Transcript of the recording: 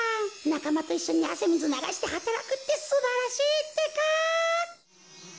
なかまといっしょにあせみずながしてはたらくってすばらしいってか！